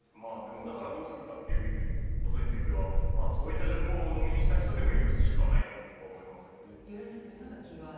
だから、どうするかということについてはそういった情報をうのみにした人でも許すしかないと許すというのがキーワード？